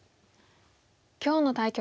今日の対局